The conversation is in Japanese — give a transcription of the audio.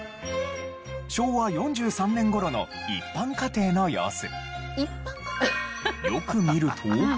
昭和４３年頃の一般家庭の様子。